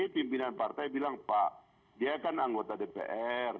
pimpinan partai bilang pak dia kan anggota dpr